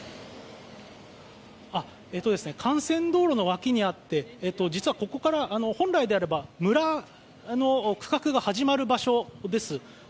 幹線道路の脇にあって、実はここから本来であれば村の区画が始まる場所です。